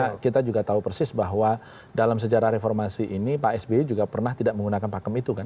karena kita juga tahu persis bahwa dalam sejarah reformasi ini pak sbi juga pernah tidak menggunakan pakem itu kan